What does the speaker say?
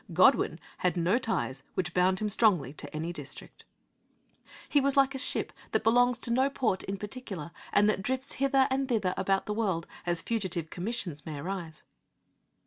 Godwin had no ties which bound him strongly to any district.' He was like a ship that belongs to no port in particular, and that drifts hither and thither about the world as fugitive commissions may arise.